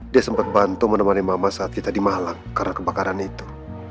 dia sempat bantu menemani mama saat kita di malang karena kebakaran itu